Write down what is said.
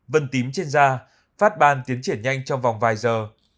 vân tím trên da phát ban tiến triển nhanh trong vòng vài giờ